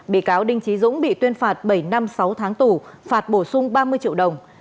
bị cáo đinh trí dũng bị tuyên phạt bảy năm sáu tháng tù phạt bổ sung ba mươi triệu đồng